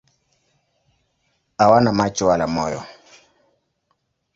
Hawana macho wala moyo.